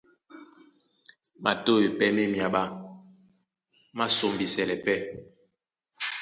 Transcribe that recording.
Matôy pɛ́ má e myaɓá, má sɔ́mbísɛlɛ pɛ́.